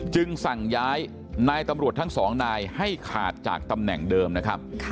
สั่งย้ายนายตำรวจทั้งสองนายให้ขาดจากตำแหน่งเดิมนะครับ